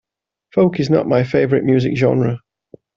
Folk is not my favorite music genre.